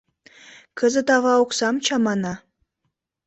Кызыт ава оксам чамана.